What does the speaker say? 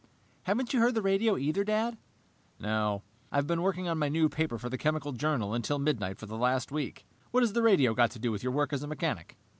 "Haven't you heard the radio, either, Dad?" "No. I've been working on my new paper for the Chemical Journal until midnight for the last week. What has the radio got to do with your work as a mechanic?"